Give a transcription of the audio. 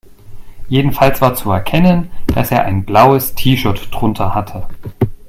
Jedenfalls war zu erkennen, dass er ein blaues T-Shirt drunter hatte.